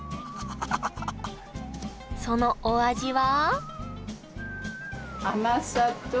そのお味は？